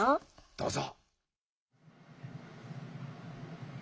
どうぞ。